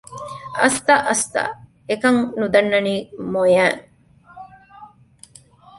އަސްތަ އަސްތާ އެކަން ނުދަންނަނީ މޮޔައިން